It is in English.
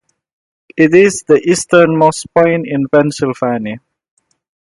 It is the easternmost point in Pennsylvania.